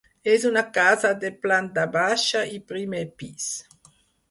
És una casa de planta baixa i primer pis.